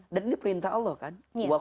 dan ini perintah allah kan